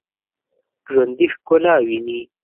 ژوندي ښکلا ویني